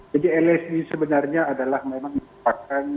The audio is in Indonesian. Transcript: jadi lsd sebenarnya adalah memang